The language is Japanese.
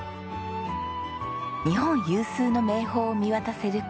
日本有数の名峰を見渡せるこの地。